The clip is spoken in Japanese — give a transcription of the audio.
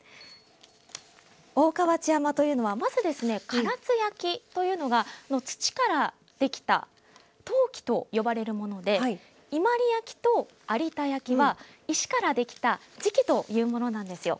大川内山というのはまずですね、唐津焼というのが土からできた陶器と呼ばれているもので伊万里焼と有田焼は石からできた磁器というものなんです。